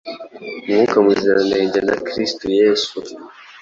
Mwuka Muziranenge na Kristo yesu.